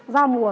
do chuyển mùa